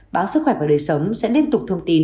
báo sức khỏe và đời sống sẽ liên tục thông tin